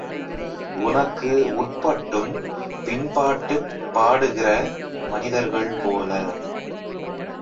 உனக்கு உட்பட்டும் பின்பாட்டுப் பாடுகிற மனிதர்கள் போல.